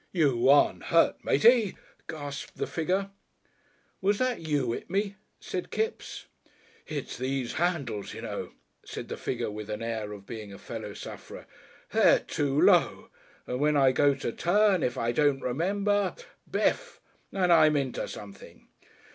"You aren't hurt, Matey?" gasped the figure. "Was that you 'it me?" said Kipps. "It's these handles, you know," said the figure with an air of being a fellow sufferer. "They're too low. And when I go to turn, if I don't remember, Bif! and I'm in to something."